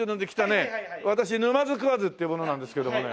私ぬまづ食わずっていう者なんですけどもね。